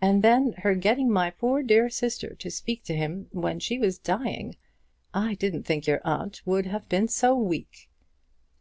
And then her getting my poor dear sister to speak to him when she was dying! I didn't think your aunt would have been so weak."